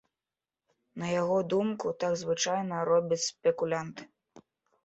На яго думку, так звычайна робяць спекулянты.